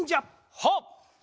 はっ！